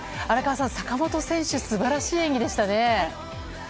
荒川さん、坂本選手素晴らしい演技でしたね。